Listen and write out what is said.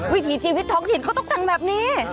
วิถีชีวิตท้องถิ่นเขาต้องแต่งแบบนี้